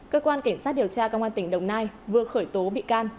cơ quan cảnh sát điều tra công an tỉnh đồng nai vừa khởi tố bị can